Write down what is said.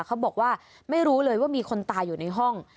เขาบอกว่าไม่รู้เลยว่ามีคนตายอยู่ในห้อง